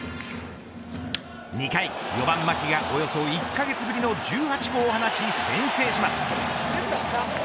２回４番牧がおよそ１カ月ぶりの１８号を放ち先制します。